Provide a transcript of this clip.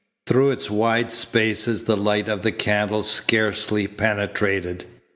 Through its wide spaces the light of the candle scarcely penetrated.